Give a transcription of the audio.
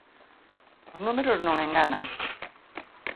Os números non enganan.